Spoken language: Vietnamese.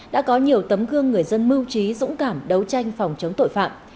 đã có nhiều tấm gương người dân mưu trí dũng cảm đấu tranh phòng chống tội phạm